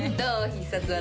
必殺技。